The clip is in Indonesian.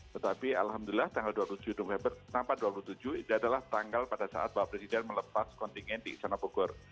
tetapi alhamdulillah tanggal dua puluh tujuh november tanpa dua puluh tujuh itu adalah tanggal pada saat pak presiden melepas kontingen di istana bogor